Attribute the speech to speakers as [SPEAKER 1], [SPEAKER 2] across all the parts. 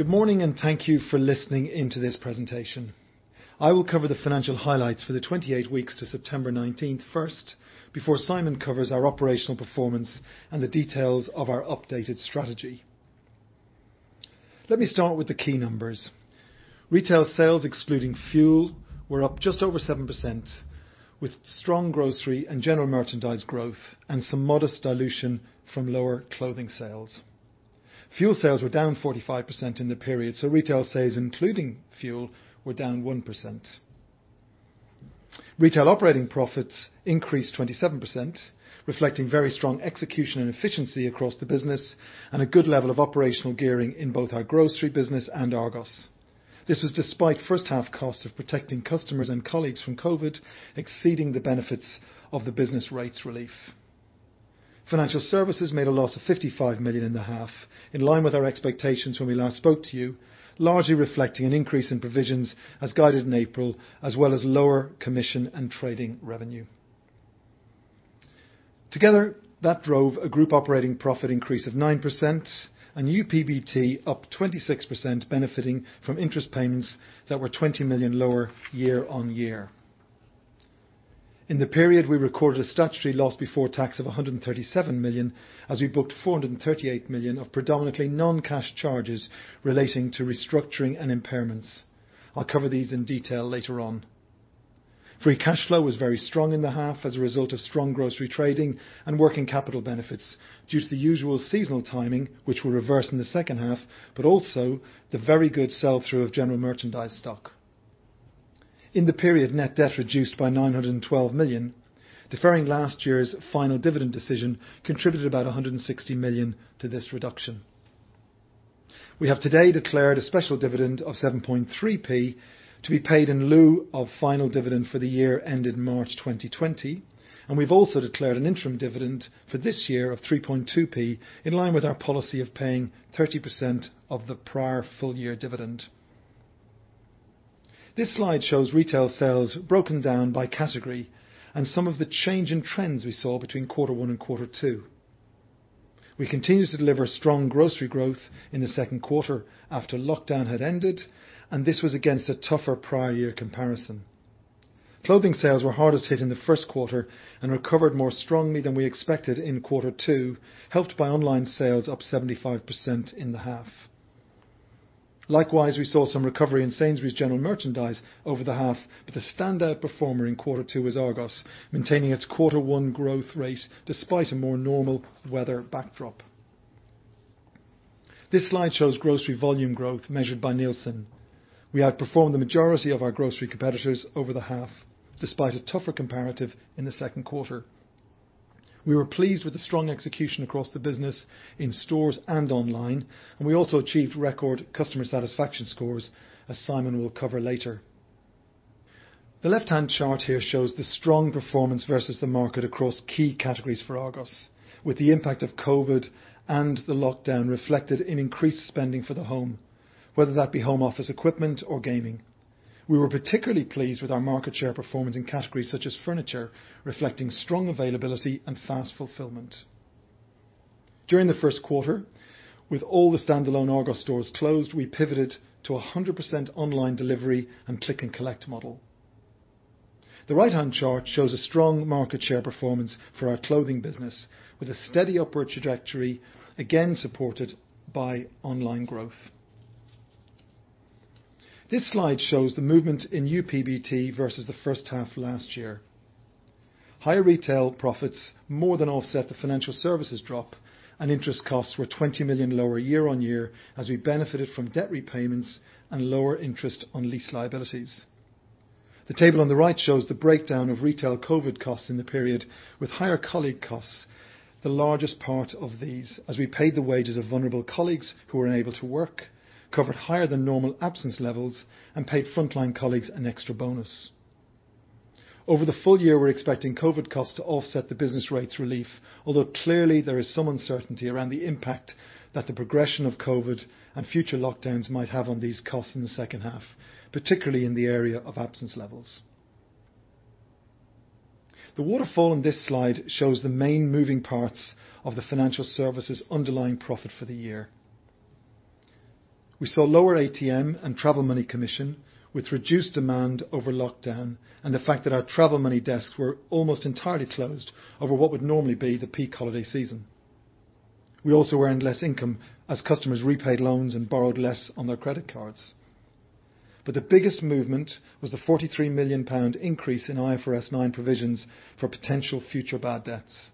[SPEAKER 1] Good morning, thank you for listening in to this presentation. I will cover the financial highlights for the 28 weeks to September 19th first, before Simon covers our operational performance and the details of our updated strategy. Let me start with the key numbers. Retail sales excluding fuel were up just over 7%, with strong grocery and general merchandise growth and some modest dilution from lower clothing sales. Fuel sales were down 45% in the period, so retail sales including fuel were down 1%. Retail operating profits increased 27%, reflecting very strong execution and efficiency across the business and a good level of operational gearing in both our grocery business and Argos. This was despite first half costs of protecting customers and colleagues from COVID exceeding the benefits of the business rates relief. Financial services made a loss of 55 million in the half, in line with our expectations when we last spoke to you, largely reflecting an increase in provisions as guided in April, as well as lower commission and trading revenue. That drove a group operating profit increase of 9% and UPBT up 26%, benefiting from interest payments that were 20 million lower year-on-year. In the period, we recorded a statutory loss before tax of 137 million, as we booked 438 million of predominantly non-cash charges relating to restructuring and impairments. I'll cover these in detail later on. Free cash flow was very strong in the half as a result of strong grocery trading and working capital benefits due to the usual seasonal timing, which will reverse in the second half, but also the very good sell-through of general merchandise stock. In the period, net debt reduced by 912 million. Deferring last year's final dividend decision contributed about 160 million to this reduction. We have today declared a special dividend of 0.073 to be paid in lieu of final dividend for the year ended March 2020. We've also declared an interim dividend for this year of 0.032, in line with our policy of paying 30% of the prior full year dividend. This slide shows retail sales broken down by category and some of the change in trends we saw between quarter one and quarter two. We continued to deliver strong grocery growth in the second quarter after lockdown had ended, and this was against a tougher prior year comparison. Clothing sales were hardest hit in the first quarter and recovered more strongly than we expected in quarter two, helped by online sales up 75% in the half. Likewise, we saw some recovery in Sainsbury's general merchandise over the half, but the standout performer in quarter two was Argos, maintaining its quarter one growth rate despite a more normal weather backdrop. This slide shows grocery volume growth measured by Nielsen. We outperformed the majority of our grocery competitors over the half, despite a tougher comparative in the second quarter. We were pleased with the strong execution across the business in stores and online, and we also achieved record customer satisfaction scores, as Simon will cover later. The left-hand chart here shows the strong performance versus the market across key categories for Argos, with the impact of COVID and the lockdown reflected in increased spending for the home, whether that be home office equipment or gaming. We were particularly pleased with our market share performance in categories such as furniture, reflecting strong availability and fast fulfillment. During the first quarter, with all the standalone Argos stores closed, we pivoted to 100% online delivery and click and collect model. The right-hand chart shows a strong market share performance for our clothing business, with a steady upward trajectory, again supported by online growth. This slide shows the movement in UPBT versus the first half last year. Higher retail profits more than offset the financial services drop. Interest costs were 20 million lower year on year as we benefited from debt repayments and lower interest on lease liabilities. The table on the right shows the breakdown of retail COVID costs in the period, with higher colleague costs the largest part of these, as we paid the wages of vulnerable colleagues who were unable to work, covered higher than normal absence levels, and paid frontline colleagues an extra bonus. Over the full year, we're expecting COVID costs to offset the business rates relief, although clearly there is some uncertainty around the impact that the progression of COVID and future lockdowns might have on these costs in the second half, particularly in the area of absence levels. The waterfall on this slide shows the main moving parts of the financial services underlying profit for the year. We saw lower ATM and travel money commission, with reduced demand over lockdown and the fact that our travel money desks were almost entirely closed over what would normally be the peak holiday season. We also earned less income as customers repaid loans and borrowed less on their credit cards. The biggest movement was the 34 million pound increase in IFRS 9 provisions for potential future bad debts.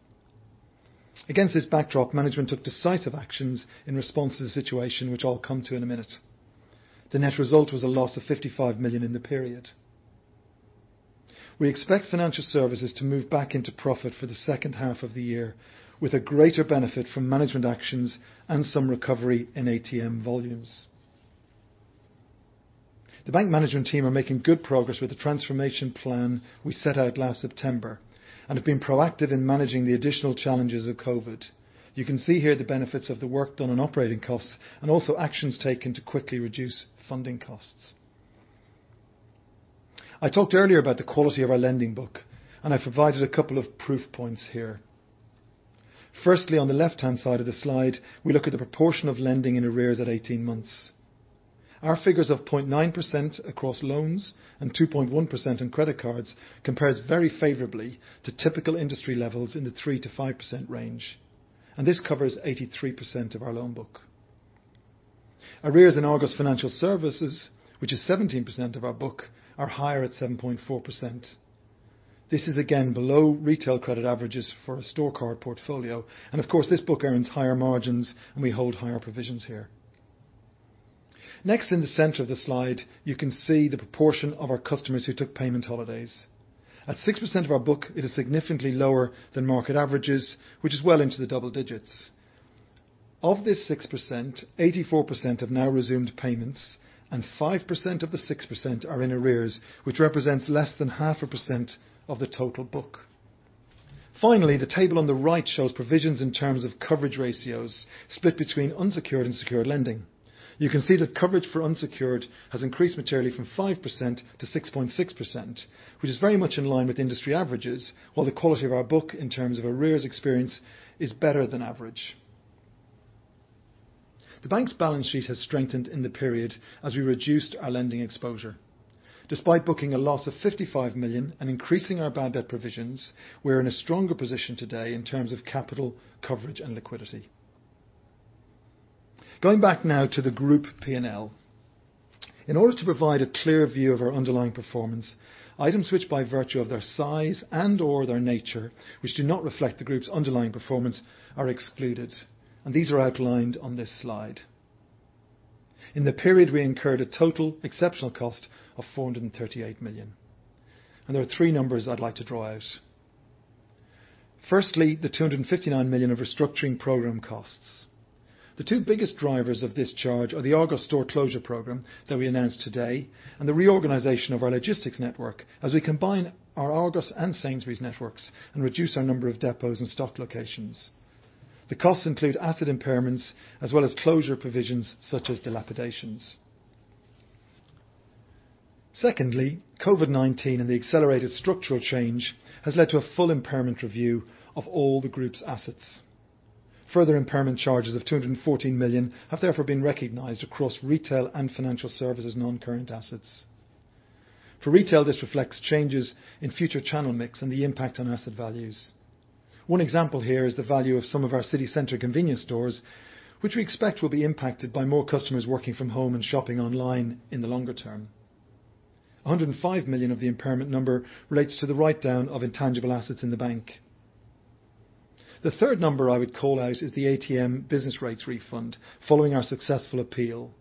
[SPEAKER 1] Against this backdrop, management took decisive actions in response to the situation, which I'll come to in a minute. The net result was a loss of 55 million in the period. We expect Financial Services to move back into profit for the second half of the year with a greater benefit from management actions and some recovery in ATM volumes. The bank management team are making good progress with the transformation plan we set out last September and have been proactive in managing the additional challenges of COVID. You can see here the benefits of the work done on operating costs and also actions taken to quickly reduce funding costs. I talked earlier about the quality of our lending book, and I've provided a couple of proof points here. Firstly, on the left-hand side of the slide, we look at the proportion of lending in arrears at 18 months. Our figures of 0.9% across loans and 2.1% in credit cards compares very favorably to typical industry levels in the 3%-5% range, and this covers 83% of our loan book. Arrears in Argos Financial Services, which is 17% of our book, are higher at 7.4%. Of course, this book earns higher margins and we hold higher provisions here. Next, in the center of the slide, you can see the proportion of our customers who took payment holidays. At 6% of our book, it is significantly lower than market averages, which is well into the double digits. Of this 6%, 84% have now resumed payments, and 5% of the 6% are in arrears, which represents less than 0.5% of the total book. Finally, the table on the right shows provisions in terms of coverage ratios split between unsecured and secured lending. You can see that coverage for unsecured has increased materially from 5% to 6.6%, which is very much in line with industry averages, while the quality of our book in terms of arrears experience is better than average. The bank's balance sheet has strengthened in the period as we reduced our lending exposure. Despite booking a loss of 55 million and increasing our bad debt provisions, we're in a stronger position today in terms of capital coverage and liquidity. Going back now to the group P&L. In order to provide a clear view of our underlying performance, items which by virtue of their size and/or their nature, which do not reflect the group's underlying performance, are excluded, and these are outlined on this slide. In the period, we incurred a total exceptional cost of 438 million. There are three numbers I'd like to draw out. Firstly, the 259 million of restructuring program costs. The two biggest drivers of this charge are the Argos store closure program that we announced today and the reorganization of our logistics network as we combine our Argos and Sainsbury's networks and reduce our number of depots and stock locations. The costs include asset impairments as well as closure provisions such as dilapidations. Secondly, COVID-19 and the accelerated structural change has led to a full impairment review of all the group's assets. Further impairment charges of 214 million have therefore been recognized across retail and financial services non-current assets. For retail, this reflects changes in future channel mix and the impact on asset values. One example here is the value of some of our city-center convenience stores, which we expect will be impacted by more customers working from home and shopping online in the longer term. 105 million of the impairment number relates to the write-down of intangible assets in the bank. The third number I would call out is the ATM business rates refund following our successful appeal.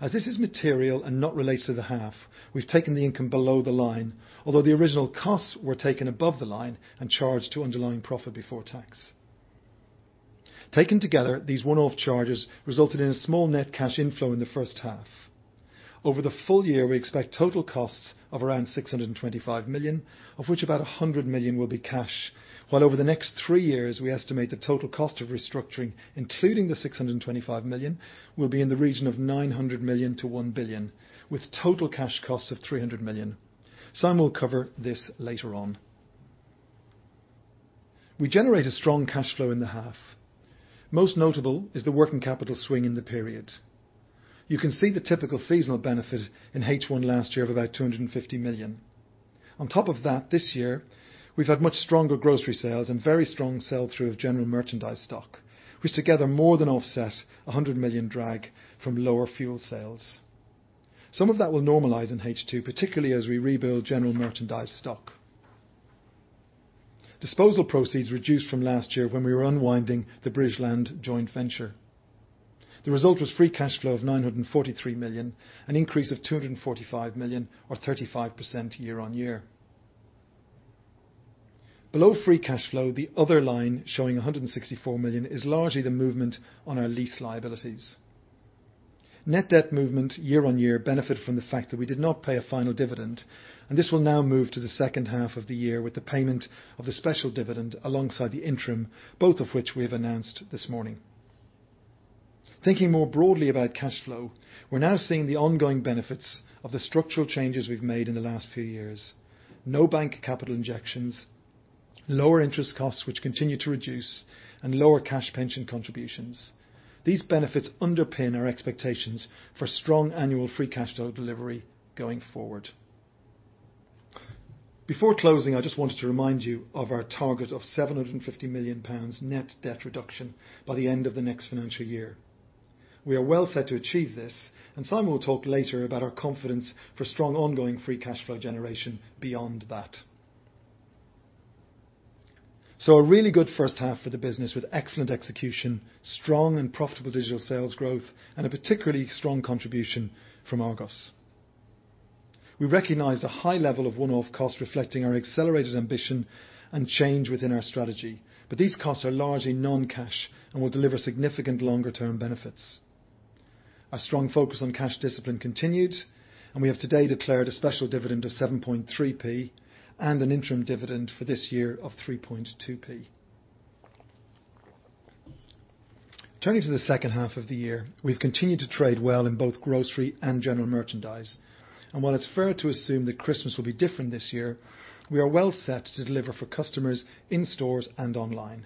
[SPEAKER 1] As this is material and not related to the half, we've taken the income below the line, although the original costs were taken above the line and charged to underlying profit before tax. Taken together, these one-off charges resulted in a small net cash inflow in the first half. Over the full year, we expect total costs of around 625 million, of which about 100 million will be cash, while over the next three years, we estimate the total cost of restructuring, including the 625 million, will be in the region of 900 million-1 billion, with total cash costs of 300 million. Simon will cover this later on. We generate a strong cash flow in the half. Most notable is the working capital swing in the period. You can see the typical seasonal benefit in H1 last year of about 250 million. On top of that, this year, we've had much stronger grocery sales and very strong sell-through of general merchandise stock, which together more than offset 100 million drag from lower fuel sales. Some of that will normalize in H2, particularly as we rebuild general merchandise stock. Disposal proceeds reduced from last year when we were unwinding the British Land joint venture. The result was free cash flow of 943 million, an increase of 245 million or 35% year-on-year. Below free cash flow, the other line showing 164 million is largely the movement on our lease liabilities. Net debt movement year-on-year benefited from the fact that we did not pay a final dividend, and this will now move to the second half of the year with the payment of the special dividend alongside the interim, both of which we have announced this morning. Thinking more broadly about cash flow, we're now seeing the ongoing benefits of the structural changes we've made in the last few years. No bank capital injections, lower interest costs which continue to reduce, and lower cash pension contributions. These benefits underpin our expectations for strong annual free cash flow delivery going forward. Before closing, I just wanted to remind you of our target of 750 million pounds net debt reduction by the end of the next financial year. We are well set to achieve this, and Simon will talk later about our confidence for strong ongoing free cash flow generation beyond that. A really good first half for the business with excellent execution, strong and profitable digital sales growth, and a particularly strong contribution from Argos. We recognized a high level of one-off costs reflecting our accelerated ambition and change within our strategy, but these costs are largely non-cash and will deliver significant longer-term benefits. Our strong focus on cash discipline continued. We have today declared a special dividend of 0.073 and an interim dividend for this year of 0.032. Turning to the second half of the year, we've continued to trade well in both grocery and general merchandise. While it's fair to assume that Christmas will be different this year, we are well set to deliver for customers in stores and online.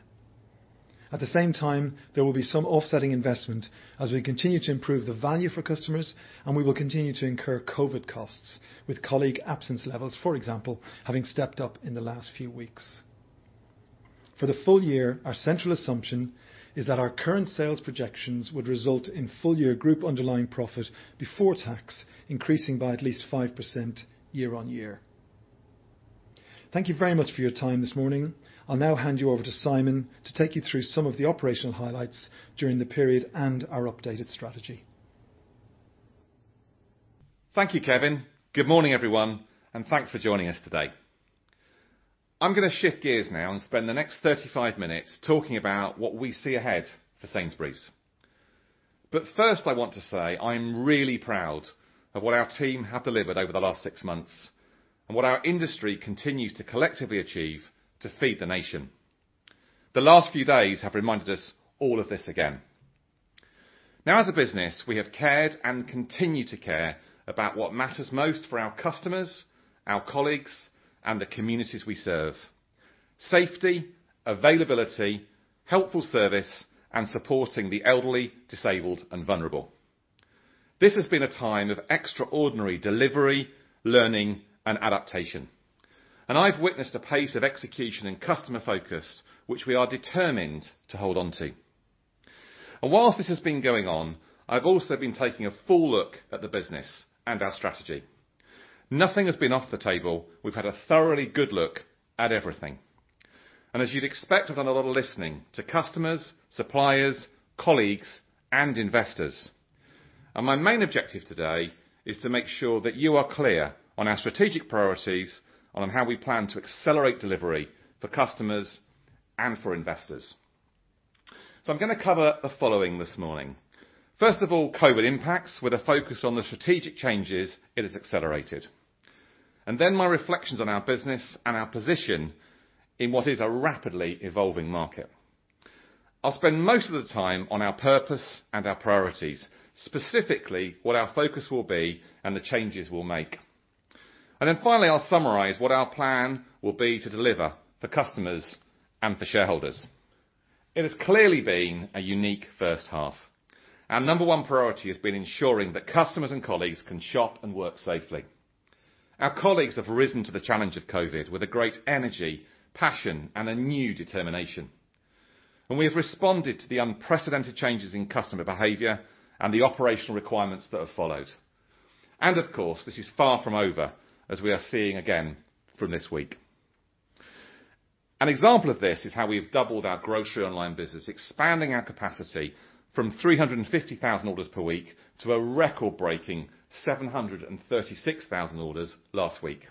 [SPEAKER 1] At the same time, there will be some offsetting investment as we continue to improve the value for customers. We will continue to incur COVID costs with colleague absence levels, for example, having stepped up in the last few weeks. For the full year, our central assumption is that our current sales projections would result in full year group Underlying Profit Before Tax increasing by at least 5% year-on-year. Thank you very much for your time this morning. I'll now hand you over to Simon to take you through some of the operational highlights during the period and our updated strategy.
[SPEAKER 2] Thank you, Kevin. Good morning, everyone, and thanks for joining us today. I'm going to shift gears now and spend the next 35 minutes talking about what we see ahead for Sainsbury's. First, I want to say I'm really proud of what our team have delivered over the last six months and what our industry continues to collectively achieve to feed the nation. The last few days have reminded us all of this again. As a business, we have cared and continue to care about what matters most for our customers, our colleagues, and the communities we serve. Safety, availability, helpful service, and supporting the elderly, disabled, and vulnerable. This has been a time of extraordinary delivery, learning, and adaptation, and I've witnessed a pace of execution and customer focus, which we are determined to hold on to. Whilst this has been going on, I've also been taking a full look at the business and our strategy. Nothing has been off the table. We've had a thoroughly good look at everything. As you'd expect, I've done a lot of listening to customers, suppliers, colleagues, and investors. My main objective today is to make sure that you are clear on our strategic priorities and on how we plan to accelerate delivery for customers and for investors. I'm going to cover the following this morning. First of all, COVID impacts with a focus on the strategic changes it has accelerated. My reflections on our business and our position in what is a rapidly evolving market. I'll spend most of the time on our purpose and our priorities, specifically what our focus will be and the changes we'll make. Finally, I'll summarize what our plan will be to deliver for customers and for shareholders. It has clearly been a unique first half. Our number one priority has been ensuring that customers and colleagues can shop and work safely. Our colleagues have risen to the challenge of COVID with a great energy, passion, and a new determination. We have responded to the unprecedented changes in customer behavior and the operational requirements that have followed. Of course, this is far from over, as we are seeing again from this week. An example of this is how we've doubled our grocery online business, expanding our capacity from 350,000 orders per week to a record-breaking 736,000 orders last week.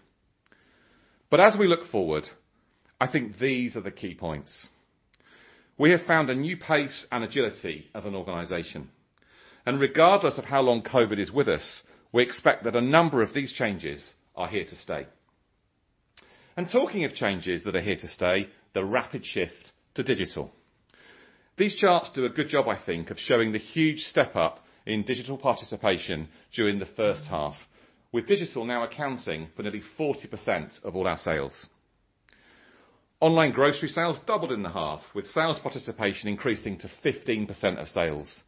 [SPEAKER 2] As we look forward, I think these are the key points. We have found a new pace and agility as an organization, regardless of how long COVID is with us, we expect that a number of these changes are here to stay. Talking of changes that are here to stay, the rapid shift to digital. These charts do a good job, I think, of showing the huge step up in digital participation during the first half. With digital now accounting for nearly 40% of all our sales. Online grocery sales doubled in the half, with sales participation increasing to 15% of sales.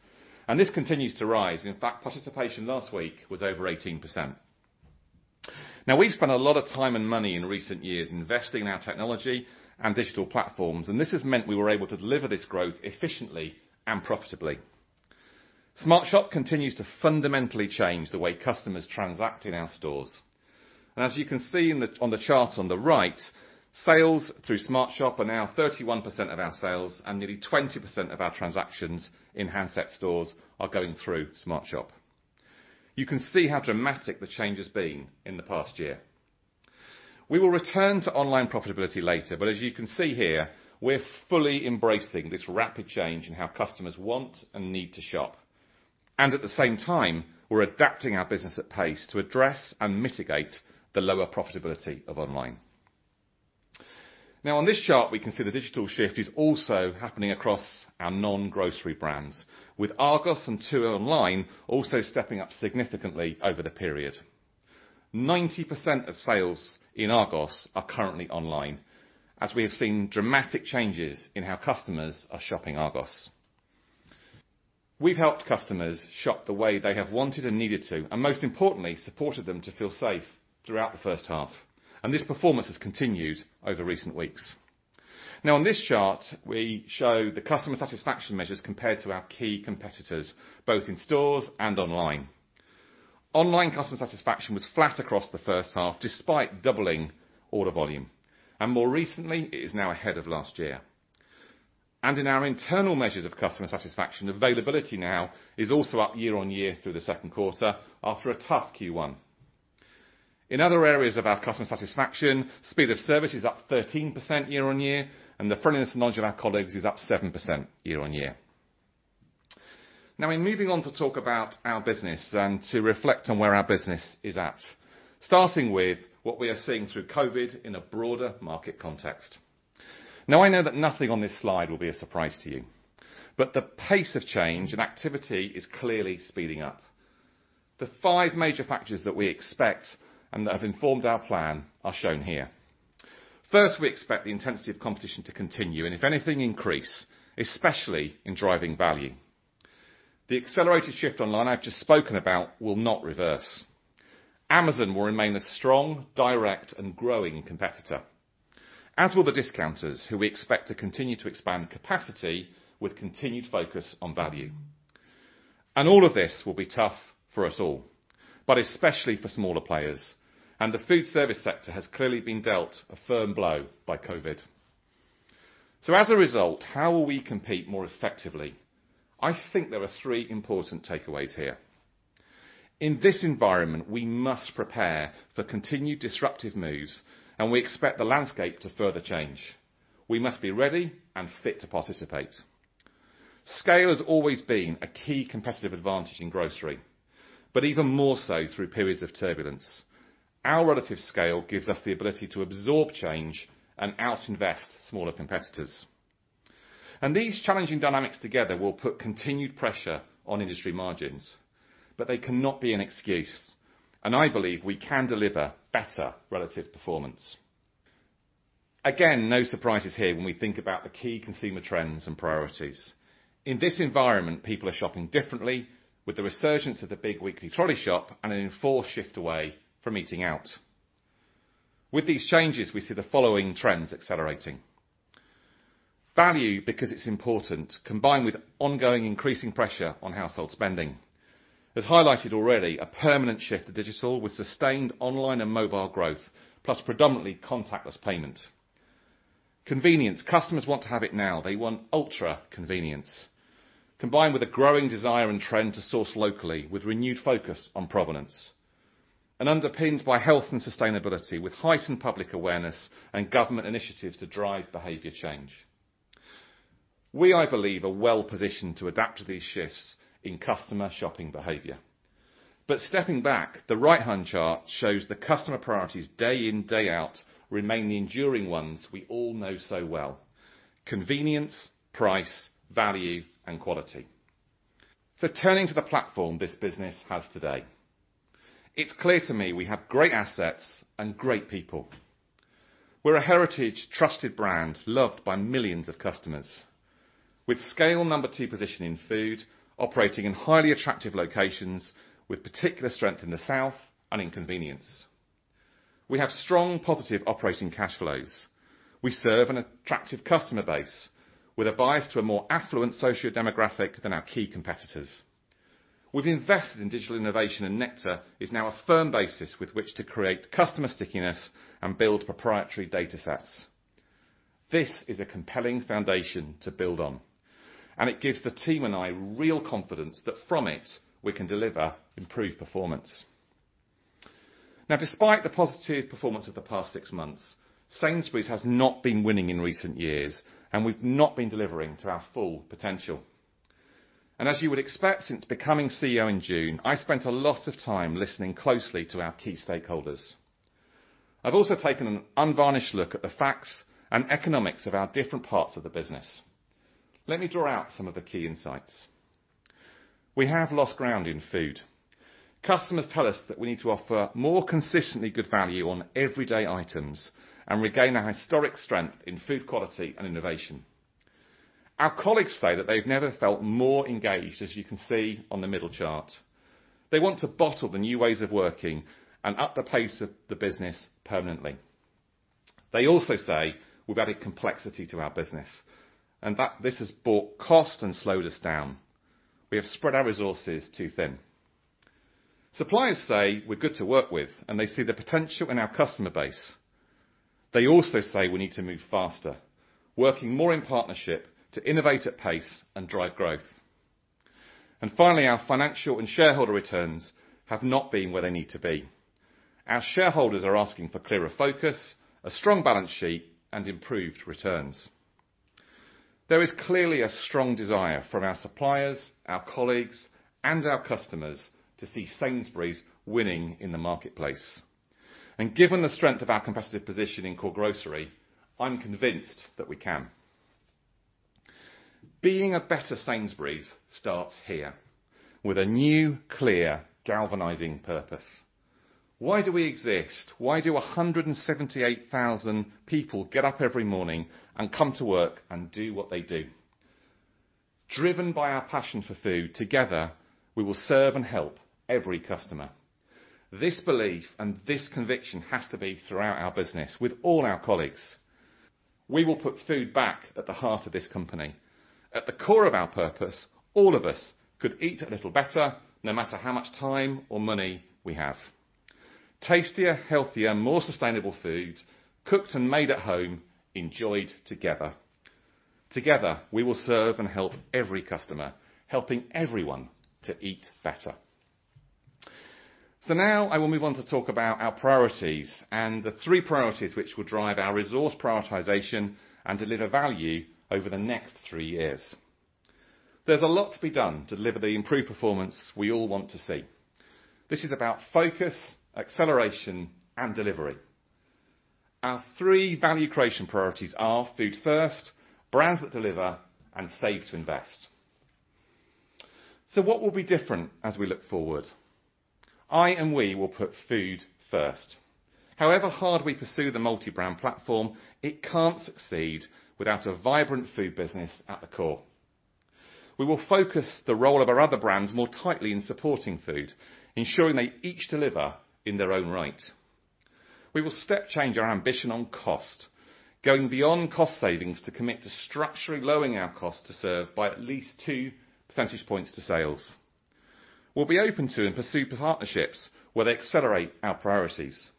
[SPEAKER 2] This continues to rise. In fact, participation last week was over 18%. Now we've spent a lot of time and money in recent years investing in our technology and digital platforms, this has meant we were able to deliver this growth efficiently and profitably. SmartShop continues to fundamentally change the way customers transact in our stores. As you can see on the chart on the right, sales through SmartShop are now 31% of our sales and nearly 20% of our transactions in handset stores are going through SmartShop. You can see how dramatic the change has been in the past year. We will return to online profitability later, as you can see here, we're fully embracing this rapid change in how customers want and need to shop. At the same time, we're adapting our business at pace to address and mitigate the lower profitability of online. On this chart, we can see the digital shift is also happening across our non-grocery brands with Argos and Tu Online also stepping up significantly over the period. 90% of sales in Argos are currently online, as we have seen dramatic changes in how customers are shopping Argos. We've helped customers shop the way they have wanted and needed to, and most importantly, supported them to feel safe throughout the first half, and this performance has continued over recent weeks. Now on this chart, we show the customer satisfaction measures compared to our key competitors, both in stores and online. Online customer satisfaction was flat across the first half despite doubling order volume, and more recently, it is now ahead of last year. In our internal measures of customer satisfaction, availability now is also up year-on-year through the second quarter after a tough Q1. In other areas of our customer satisfaction, speed of service is up 13% year-on-year, and the friendliness and knowledge of our colleagues is up 7% year-on-year. In moving on to talk about our business and to reflect on where our business is at, starting with what we are seeing through COVID in a broader market context. I know that nothing on this slide will be a surprise to you, but the pace of change and activity is clearly speeding up. The five major factors that we expect and that have informed our plan are shown here. First, we expect the intensity of competition to continue and if anything, increase, especially in driving value. The accelerated shift online I've just spoken about will not reverse. Amazon will remain a strong, direct, and growing competitor, as will the discounters, who we expect to continue to expand capacity with continued focus on value. All of this will be tough for us all, but especially for smaller players. The food service sector has clearly been dealt a firm blow by COVID. As a result, how will we compete more effectively? I think there are three important takeaways here. In this environment, we must prepare for continued disruptive moves, and we expect the landscape to further change. We must be ready and fit to participate. Scale has always been a key competitive advantage in grocery, but even more so through periods of turbulence. Our relative scale gives us the ability to absorb change and out-invest smaller competitors. These challenging dynamics together will put continued pressure on industry margins, but they cannot be an excuse, and I believe we can deliver better relative performance. Again, no surprises here when we think about the key consumer trends and priorities. In this environment, people are shopping differently with the resurgence of the big weekly trolley shop and an enforced shift away from eating out. With these changes, we see the following trends accelerating. Value because it's important, combined with ongoing increasing pressure on household spending. As highlighted already, a permanent shift to digital with sustained online and mobile growth, plus predominantly contactless payment. Convenience. Customers want to have it now. They want ultra-convenience. Combined with a growing desire and trend to source locally with renewed focus on provenance. Underpinned by health and sustainability, with heightened public awareness and government initiatives to drive behavior change. We, I believe, are well-positioned to adapt to these shifts in customer shopping behavior. Stepping back, the right-hand chart shows the customer priorities day in, day out remain the enduring ones we all know so well. Convenience, price, value, and quality. Turning to the platform this business has today. It's clear to me we have great assets and great people. We're a heritage trusted brand loved by millions of customers. With scale number two position in food, operating in highly attractive locations with particular strength in the south and in convenience. We have strong positive operating cash flows. We serve an attractive customer base with a bias to a more affluent sociodemographic than our key competitors. We've invested in digital innovation and Nectar is now a firm basis with which to create customer stickiness and build proprietary data sets. This is a compelling foundation to build on, and it gives the team and I real confidence that from it we can deliver improved performance. Now despite the positive performance of the past six months, Sainsbury's has not been winning in recent years, and we've not been delivering to our full potential. As you would expect since becoming Chief Executive Officer in June, I spent a lot of time listening closely to our key stakeholders. I've also taken an unvarnished look at the facts and economics of our different parts of the business. Let me draw out some of the key insights. We have lost ground in food. Customers tell us that we need to offer more consistently good value on everyday items and regain our historic strength in food quality and innovation. Our colleagues say that they've never felt more engaged, as you can see on the middle chart. They want to bottle the new ways of working and up the pace of the business permanently. They also say we've added complexity to our business, and that this has brought cost and slowed us down. We have spread our resources too thin. Suppliers say we're good to work with, and they see the potential in our customer base. They also say we need to move faster, working more in partnership to innovate at pace and drive growth. Finally, our financial and shareholder returns have not been where they need to be. Our shareholders are asking for clearer focus, a strong balance sheet, and improved returns. There is clearly a strong desire from our suppliers, our colleagues, and our customers to see Sainsbury's winning in the marketplace. Given the strength of our competitive position in core grocery, I'm convinced that we can. Being a better Sainsbury's starts here with a new, clear, galvanizing purpose. Why do we exist? Why do 178,000 people get up every morning and come to work and do what they do? Driven by our passion for food, together, we will serve and help every customer. This belief and this conviction has to be throughout our business with all our colleagues. We will put food back at the heart of this company. At the core of our purpose, all of us could eat a little better, no matter how much time or money we have. Tastier, healthier, more sustainable food, cooked and made at home, enjoyed together. Together, we will serve and help every customer, helping everyone to eat better. Now I will move on to talk about our priorities and the three priorities which will drive our resource prioritization and deliver value over the next three years. There's a lot to be done to deliver the improved performance we all want to see. This is about focus, acceleration, and delivery. Our three value creation priorities are Food First, Brands that Deliver, and Save to Invest. What will be different as we look forward? I and we will put Food First. However hard we pursue the multi-brand platform, it can't succeed without a vibrant food business at the core. We will focus the role of our other brands more tightly in supporting food, ensuring they each deliver in their own right. We will step change our ambition on cost, going beyond cost savings to commit to structurally lowering our cost to serve by at least 2 percentage points to sales. We'll be open to and pursue partnerships where they accelerate our priorities.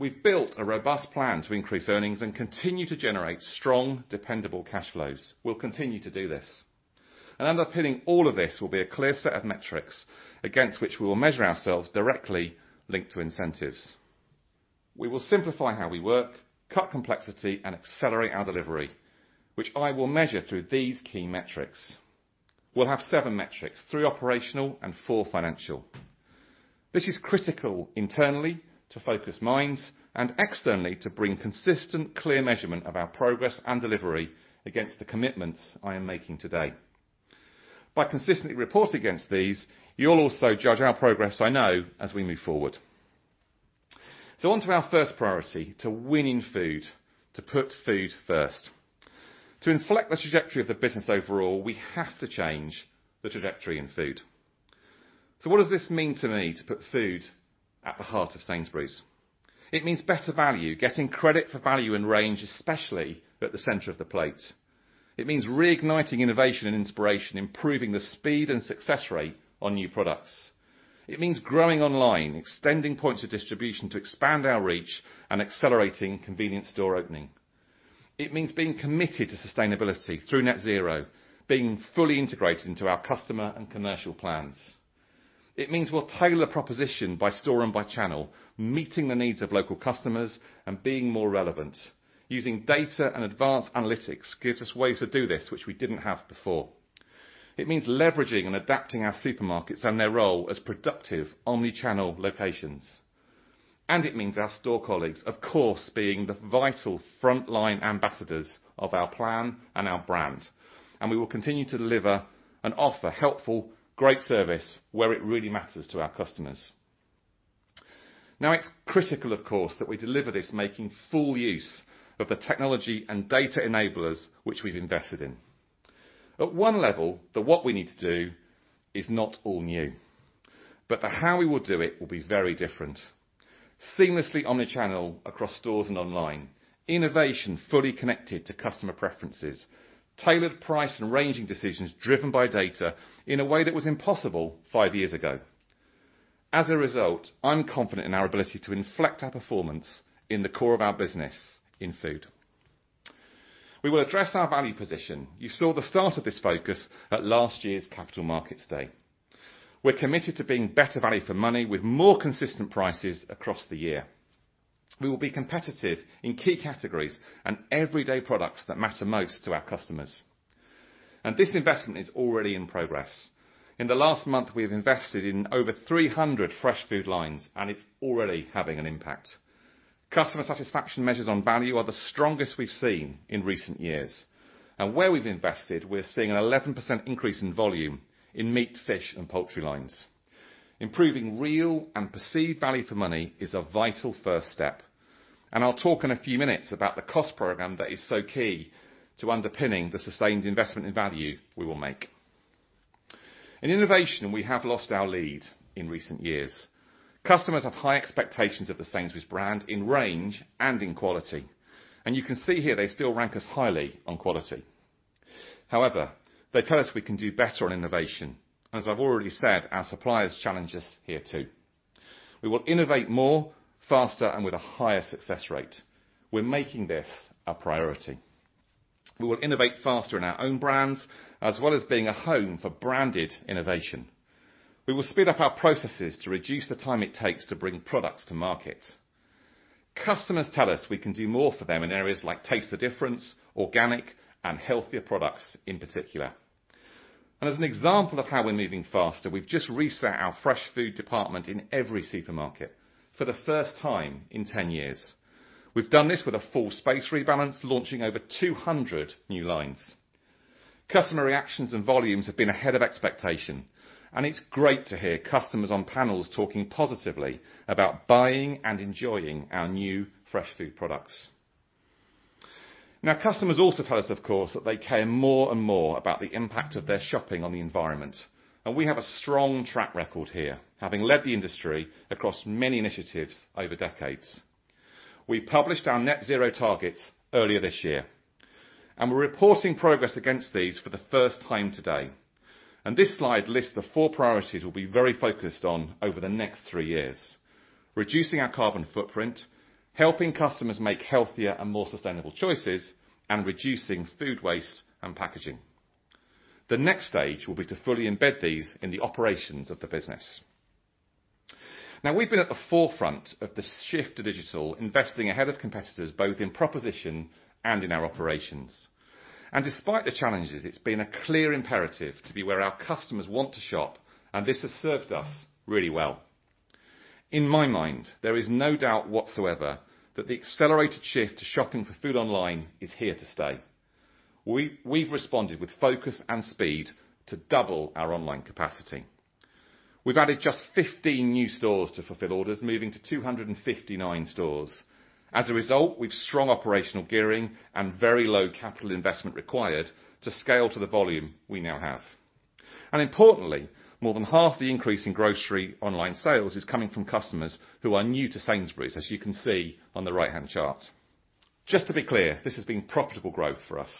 [SPEAKER 2] We've built a robust plan to increase earnings and continue to generate strong, dependable cash flows. We'll continue to do this. Underpinning all of this will be a clear set of metrics against which we will measure ourselves directly linked to incentives. We will simplify how we work, cut complexity, and accelerate our delivery, which I will measure through these key metrics. We'll have seven metrics, three operational and four financial. This is critical internally to focus minds and externally to bring consistent, clear measurement of our progress and delivery against the commitments I am making today. By consistently reporting against these, you'll also judge our progress, I know, as we move forward. On to our first priority, to winning food, to put Food First. To inflect the trajectory of the business overall, we have to change the trajectory in food. What does this mean to me to put food at the heart of Sainsbury's? It means better value, getting credit for value and range, especially at the center of the plate. It means reigniting innovation and inspiration, improving the speed and success rate on new products. It means growing online, extending points of distribution to expand our reach, and accelerating convenience store opening. It means being committed to sustainability through net zero, being fully integrated into our customer and commercial plans. It means we'll tailor proposition by store and by channel, meeting the needs of local customers and being more relevant. Using data and advanced analytics gives us ways to do this, which we didn't have before. It means leveraging and adapting our supermarkets and their role as productive omni-channel locations. It means our store colleagues, of course, being the vital frontline ambassadors of our plan and our brand, and we will continue to deliver and offer helpful, great service where it really matters to our customers. It's critical, of course, that we deliver this making full use of the technology and data enablers which we've invested in. At one level, the what we need to do is not all new, but the how we will do it will be very different. Seamlessly omni-channel across stores and online. Innovation fully connected to customer preferences. Tailored price and ranging decisions driven by data in a way that was impossible five years ago. As a result, I'm confident in our ability to inflect our performance in the core of our business in food. We will address our value position. You saw the start of this focus at last year's Capital Markets Day. We're committed to being better value for money with more consistent prices across the year. We will be competitive in key categories and everyday products that matter most to our customers. This investment is already in progress. In the last month, we have invested in over 300 fresh food lines. It's already having an impact. Customer satisfaction measures on value are the strongest we've seen in recent years. Where we've invested, we're seeing an 11% increase in volume in meat, fish, and poultry lines. Improving real and perceived value for money is a vital first step. I'll talk in a few minutes about the cost program that is so key to underpinning the sustained investment in value we will make. In innovation, we have lost our lead in recent years. Customers have high expectations of the Sainsbury's brand in range and in quality. You can see here they still rank us highly on quality. However, they tell us we can do better on innovation. As I've already said, our suppliers challenge us here, too. We will innovate more, faster, and with a higher success rate. We're making this a priority. We will innovate faster in our own brands, as well as being a home for branded innovation. We will speed up our processes to reduce the time it takes to bring products to market. Customers tell us we can do more for them in areas like Taste the Difference, organic, and healthier products in particular. As an example of how we're moving faster, we've just reset our fresh food department in every supermarket for the first time in 10 years. We've done this with a full space rebalance, launching over 200 new lines. Customer reactions and volumes have been ahead of expectation, it's great to hear customers on panels talking positively about buying and enjoying our new fresh food products. Now, customers also tell us, of course, that they care more and more about the impact of their shopping on the environment. We have a strong track record here, having led the industry across many initiatives over decades. We published our net zero targets earlier this year, we're reporting progress against these for the first time today. This slide lists the four priorities we'll be very focused on over the next three years. Reducing our carbon footprint, helping customers make healthier and more sustainable choices, and reducing food waste and packaging. The next stage will be to fully embed these in the operations of the business. We've been at the forefront of the shift to digital, investing ahead of competitors, both in proposition and in our operations. Despite the challenges, it's been a clear imperative to be where our customers want to shop, and this has served us really well. In my mind, there is no doubt whatsoever that the accelerated shift to shopping for food online is here to stay. We've responded with focus and speed to double our online capacity. We've added just 15 new stores to fulfill orders, moving to 259 stores. As a result, we've strong operational gearing and very low capital investment required to scale to the volume we now have. Importantly, more than half the increase in grocery online sales is coming from customers who are new to Sainsbury's, as you can see on the right-hand chart. Just to be clear, this has been profitable growth for us.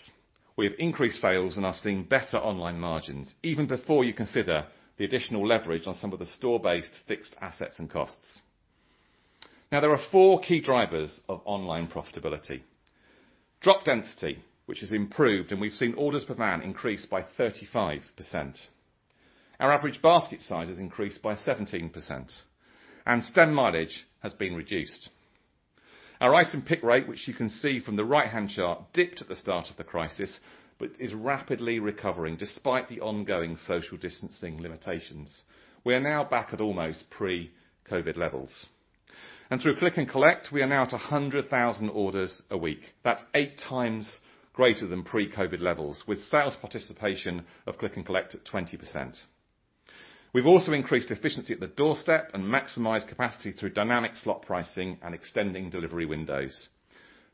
[SPEAKER 2] We have increased sales and are seeing better online margins, even before you consider the additional leverage on some of the store-based fixed assets and costs. There are four key drivers of online profitability. Drop density, which has improved, and we've seen orders per van increase by 35%. Our average basket size has increased by 17%, and spend mileagestem mileage has been reduced. Our item pick rate, which you can see from the right-hand chart, dipped at the start of the crisis but is rapidly recovering despite the ongoing social distancing limitations. We are now back at almost pre-COVID levels. Through click and collect, we are now at 100,000 orders a week. That's eight times greater than pre-COVID levels, with sales participation of click and collect at 20%. We've also increased efficiency at the doorstep and maximized capacity through dynamic slot pricing and extending delivery windows.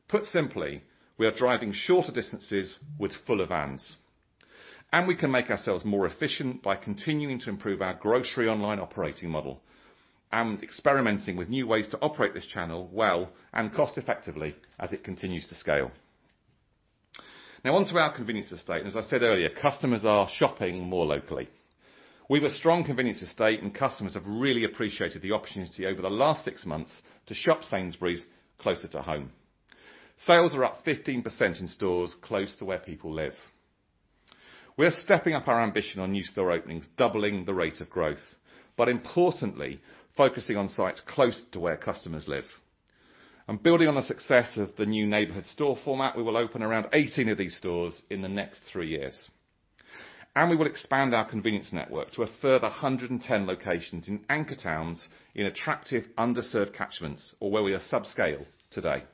[SPEAKER 2] Put simply, we are driving shorter distances with fuller vans, and we can make ourselves more efficient by continuing to improve our grocery online operating model and experimenting with new ways to operate this channel well and cost effectively as it continues to scale. On to our convenience estate. As I said earlier, customers are shopping more locally. We've a strong convenience estate, and customers have really appreciated the opportunity over the last six months to shop Sainsbury's closer to home. Sales are up 15% in stores close to where people live. We're stepping up our ambition on new store openings, doubling the rate of growth, but importantly, focusing on sites close to where customers live. Building on the success of the new neighborhood store format, we will open around 18 of these stores in the next three years. We will expand our convenience network to a further 110 locations in anchor towns in attractive, underserved catchments or where we are subscale today.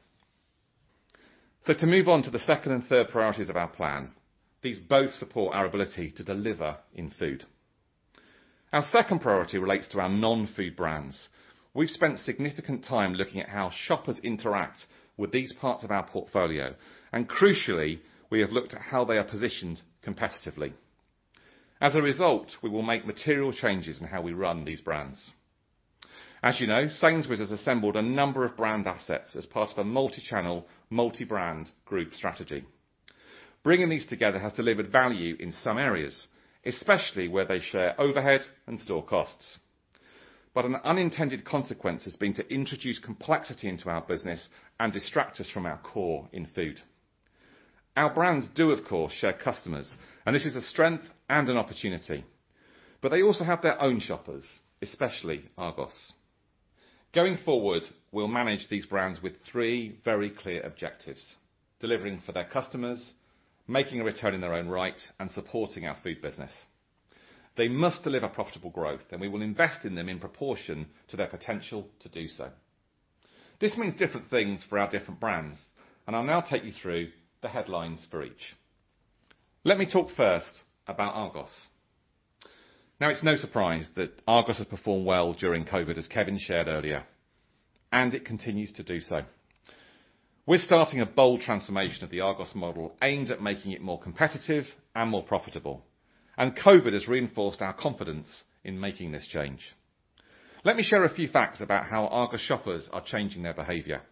[SPEAKER 2] To move on to the second and third priorities of our plan, these both support our ability to deliver in food. Our second priority relates to our non-food brands. We've spent significant time looking at how shoppers interact with these parts of our portfolio, and crucially, we have looked at how they are positioned competitively. As a result, we will make material changes in how we run these brands. As you know, Sainsbury's has assembled a number of brand assets as part of a multi-channel, multi-brand group strategy. Bringing these together has delivered value in some areas, especially where they share overhead and store costs. An unintended consequence has been to introduce complexity into our business and distract us from our core in food. Our brands do, of course, share customers, and this is a strength and an opportunity, but they also have their own shoppers, especially Argos. Going forward, we'll manage these brands with three very clear objectives, delivering for their customers, making a return in their own right, and supporting our food business. They must deliver profitable growth, and we will invest in them in proportion to their potential to do so. This means different things for our different brands, and I'll now take you through the headlines for each. Let me talk first about Argos. It's no surprise that Argos has performed well during COVID, as Kevin shared earlier, and it continues to do so. We're starting a bold transformation of the Argos model aimed at making it more competitive and more profitable. COVID has reinforced our confidence in making this change. Let me share a few facts about how Argos shoppers are changing their behavior.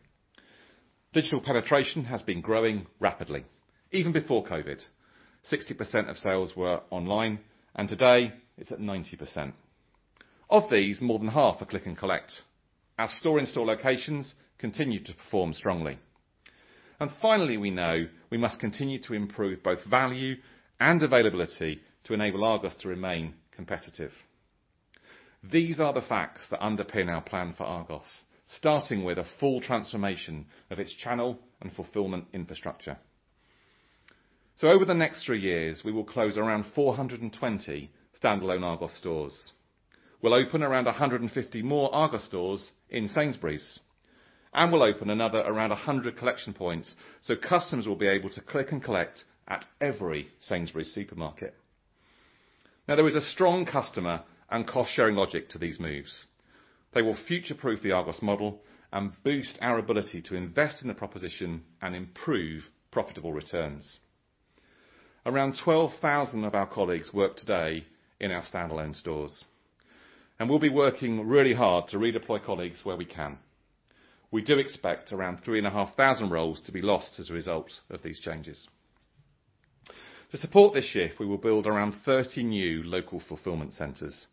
[SPEAKER 2] Digital penetration has been growing rapidly. Even before COVID, 60% of sales were online, and today it's at 90%. Of these, more than half are click and collect. Our store-in-store locations continue to perform strongly. Finally, we know we must continue to improve both value and availability to enable Argos to remain competitive. These are the facts that underpin our plan for Argos, starting with a full transformation of its channel and fulfillment infrastructure. Over the next three years, we will close around 420 standalone Argos stores. We'll open around 150 more Argos stores in Sainsbury's, and we'll open another around 100 collection points so customers will be able to click and collect at every Sainsbury's supermarket. There is a strong customer and cost-sharing logic to these moves. They will future-proof the Argos model and boost our ability to invest in the proposition and improve profitable returns. Around 12,000 of our colleagues work today in our standalone stores, and we'll be working really hard to redeploy colleagues where we can. We do expect around 3,500 roles to be lost as a result of these changes. To support this shift, we will build around 30 new local fulfillment centers.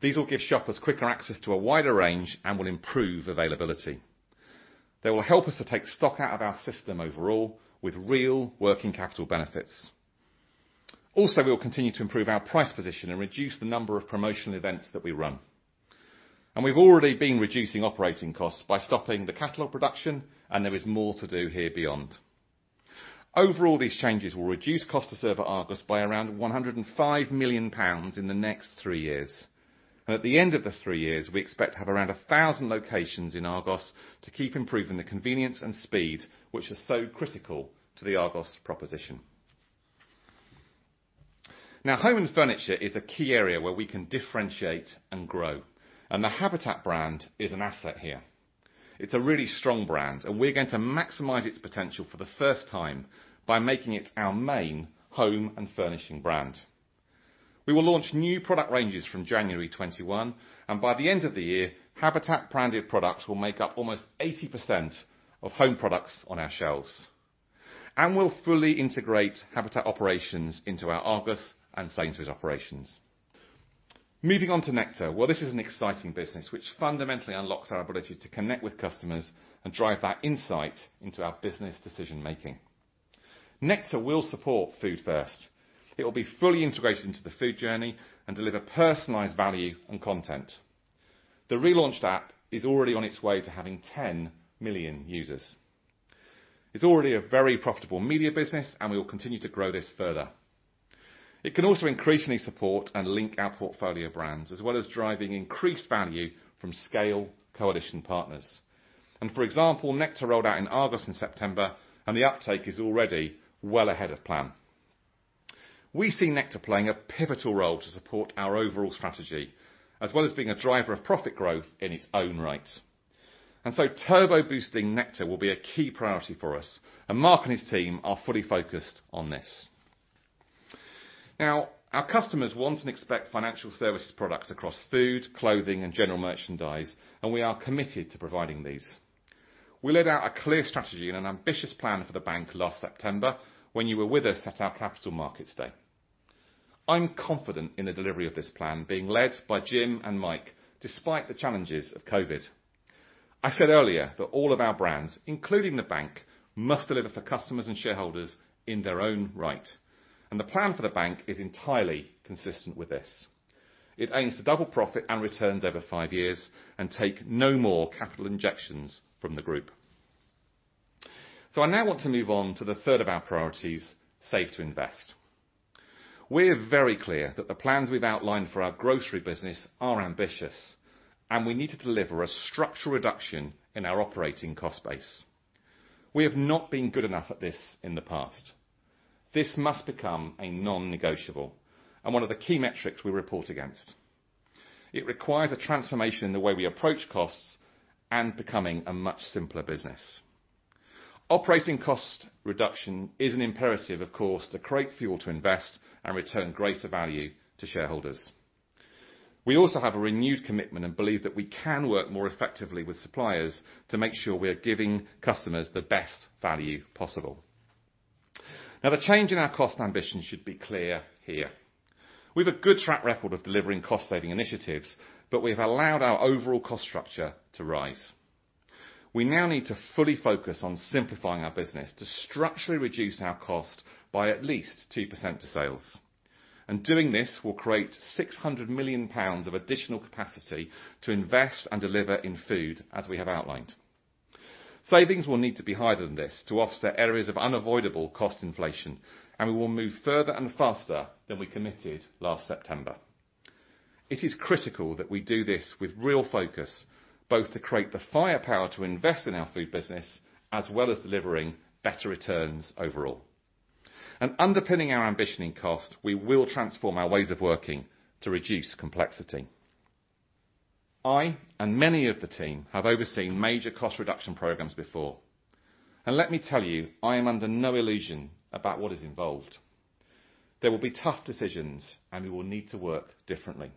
[SPEAKER 2] These will give shoppers quicker access to a wider range and will improve availability. They will help us to take stock out of our system overall with real working capital benefits. We will continue to improve our price position and reduce the number of promotional events that we run. We've already been reducing operating costs by stopping the catalog production, and there is more to do here beyond. These changes will reduce cost to serve at Argos by around 105 million pounds in the next three years. At the end of the three years, we expect to have around 1,000 locations in Argos to keep improving the convenience and speed, which is so critical to the Argos proposition. Home and furniture is a key area where we can differentiate and grow, and the Habitat brand is an asset here. It's a really strong brand. We're going to maximize its potential for the first time by making it our main home and furnishing brand. We will launch new product ranges from January 2021, and by the end of the year, Habitat-branded products will make up almost 80% of home products on our shelves. We'll fully integrate Habitat operations into our Argos and Sainsbury's operations. Moving on to Nectar. Well, this is an exciting business, which fundamentally unlocks our ability to connect with customers and drive that insight into our business decision-making. Nectar will support Food First. It will be fully integrated into the food journey and deliver personalized value and content. The relaunched app is already on its way to having 10 million users. It's already a very profitable media business, and we will continue to grow this further. It can also increasingly support and link our portfolio brands, as well as driving increased value from scale coalition partners. For example, Nectar rolled out in Argos in September, and the uptake is already well ahead of plan. We see Nectar playing a pivotal role to support our overall strategy, as well as being a driver of profit growth in its own right. Turbo boosting Nectar will be a key priority for us, and Mark and his team are fully focused on this. Our customers want and expect financial services products across food, clothing, and general merchandise, and we are committed to providing these. We laid out a clear strategy and an ambitious plan for the bank last September when you were with us at our Capital Markets Day. I'm confident in the delivery of this plan being led by Jim and Mike, despite the challenges of COVID. I said earlier that all of our brands, including the bank, must deliver for customers and shareholders in their own right, the plan for the bank is entirely consistent with this. It aims to double profit and returns over five years and take no more capital injections from the group. I now want to move on to the third of our priorities, Save to Invest. We're very clear that the plans we've outlined for our grocery business are ambitious, we need to deliver a structural reduction in our operating cost base. We have not been good enough at this in the past. This must become a non-negotiable and one of the key metrics we report against. It requires a transformation in the way we approach costs and becoming a much simpler business. Operating cost reduction is an imperative, of course, to create fuel to invest and return greater value to shareholders. We also have a renewed commitment and believe that we can work more effectively with suppliers to make sure we are giving customers the best value possible. The change in our cost ambition should be clear here. We've a good track record of delivering cost-saving initiatives, but we've allowed our overall cost structure to rise. We now need to fully focus on simplifying our business to structurally reduce our cost by at least 2% to sales. Doing this will create 600 million pounds of additional capacity to invest and deliver in food, as we have outlined. Savings will need to be higher than this to offset areas of unavoidable cost inflation, and we will move further and faster than we committed last September. It is critical that we do this with real focus, both to create the firepower to invest in our food business as well as delivering better returns overall. Underpinning our ambition in cost, we will transform our ways of working to reduce complexity. I and many of the team have overseen major cost reduction programs before. Let me tell you, I am under no illusion about what is involved. There will be tough decisions, and we will need to work differently.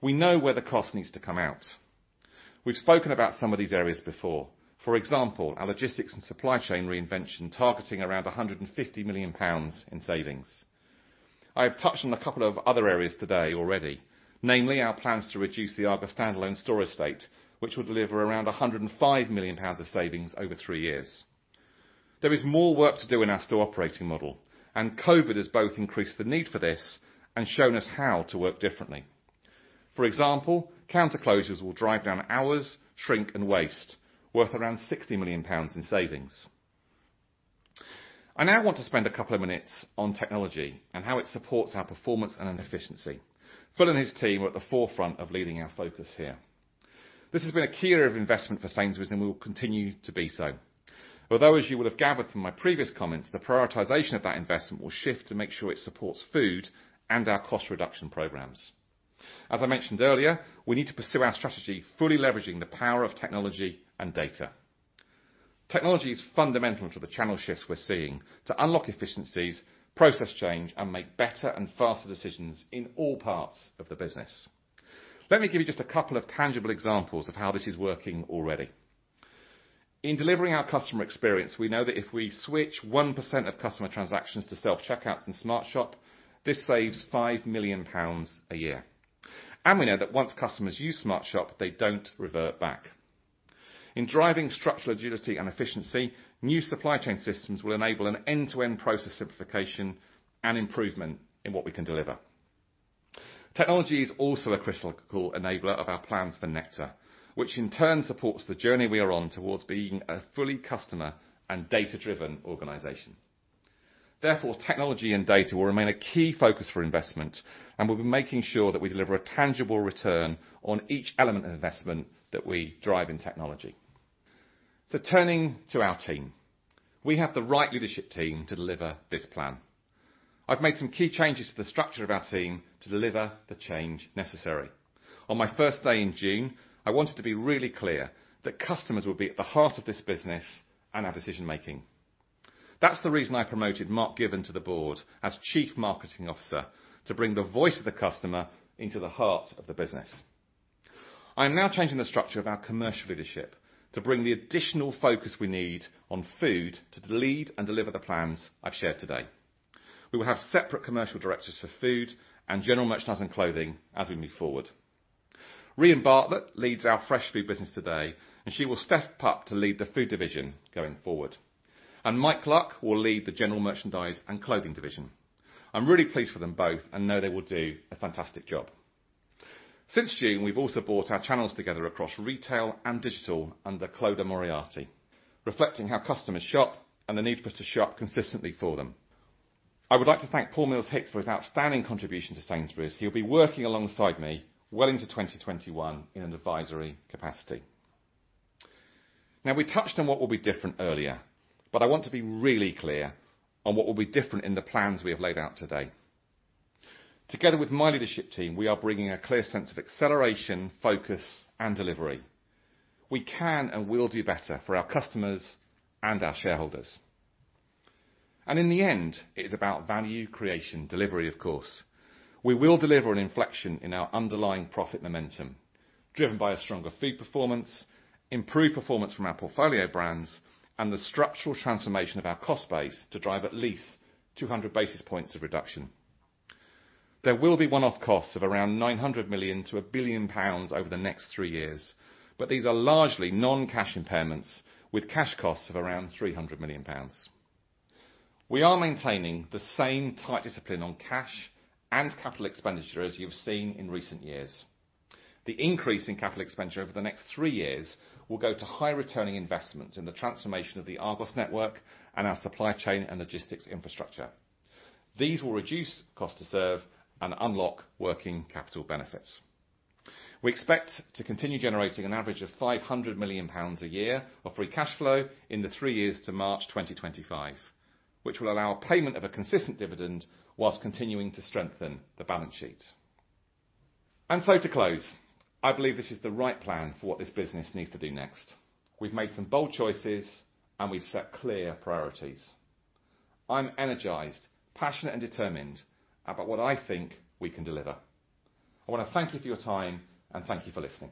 [SPEAKER 2] We know where the cost needs to come out. We've spoken about some of these areas before. For example, our logistics and supply chain reinvention targeting around 150 million pounds in savings. I have touched on a couple of other areas today already, namely our plans to reduce the Argos standalone store estate, which will deliver around 105 million pounds of savings over three years. There is more work to do in our store operating model, COVID has both increased the need for this and shown us how to work differently. For example, counter closures will drive down hours, shrink, and waste, worth around 60 million pounds in savings. I now want to spend a couple of minutes on technology and how it supports our performance and efficiency. Phil and his team are at the forefront of leading our focus here. This has been a key area of investment for Sainsbury's and will continue to be so. Although, as you will have gathered from my previous comments, the prioritization of that investment will shift to make sure it supports food and our cost reduction programs. As I mentioned earlier, we need to pursue our strategy, fully leveraging the power of technology and data. Technology is fundamental to the channel shifts we're seeing to unlock efficiencies, process change, and make better and faster decisions in all parts of the business. Let me give you just a couple of tangible examples of how this is working already. In delivering our customer experience, we know that if we switch 1% of customer transactions to self-checkouts and SmartShop, this saves 5 million pounds a year. And we know that once customers use SmartShop, they don't revert back. In driving structural agility and efficiency, new supply chain systems will enable an end-to-end process simplification and improvement in what we can deliver. Technology is also a critical enabler of our plans for Nectar, which in turn supports the journey we are on towards being a fully customer and data-driven organization. Therefore, technology and data will remain a key focus for investment, and we'll be making sure that we deliver a tangible return on each element of investment that we drive in technology. Turning to our team. We have the right leadership team to deliver this plan. I've made some key changes to the structure of our team to deliver the change necessary. On my first day in June, I wanted to be really clear that customers would be at the heart of this business and our decision-making. That's the reason I promoted Mark Given to the board as Chief Marketing Officer, to bring the voice of the customer into the heart of the business. I am now changing the structure of our commercial leadership to bring the additional focus we need on food to lead and deliver the plans I've shared today. We will have separate commercial directors for food and general merchandise and clothing as we move forward. Rhian Bartlett leads our fresh food business today, and she will step up to lead the food division going forward. Mike Luck will lead the general merchandise and clothing division. I'm really pleased for them both and know they will do a fantastic job. Since June, we've also brought our channels together across retail and digital under Clodagh Moriarty, reflecting how customers shop and the need for us to shop consistently for them. I would like to thank Paul Mills-Hicks for his outstanding contribution to Sainsbury's. He'll be working alongside me well into 2021 in an advisory capacity. Now, we touched on what will be different earlier, but I want to be really clear on what will be different in the plans we have laid out today. Together with my leadership team, we are bringing a clear sense of acceleration, focus, and delivery. We can and will do better for our customers and our shareholders. In the end, it is about value creation delivery, of course. We will deliver an inflection in our underlying profit momentum, driven by a stronger food performance, improved performance from our portfolio brands, and the structural transformation of our cost base to drive at least 200 basis points of reduction. There will be one-off costs of around 900 million-1 billion pounds over the next three years, but these are largely non-cash impairments with cash costs of around 300 million pounds. We are maintaining the same tight discipline on cash and capital expenditure as you've seen in recent years. The increase in capital expenditure over the next 3 years will go to high returning investments in the transformation of the Argos network and our supply chain and logistics infrastructure. These will reduce cost to serve and unlock working capital benefits. We expect to continue generating an average of 500 million pounds a year of free cash flow in the 3 years to March 2025. Which will allow payment of a consistent dividend whilst continuing to strengthen the balance sheet. To close, I believe this is the right plan for what this business needs to do next. We've made some bold choices, and we've set clear priorities. I'm energized, passionate, and determined about what I think we can deliver. I want to thank you for your time, and thank you for listening.